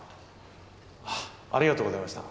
はっありがとうございました。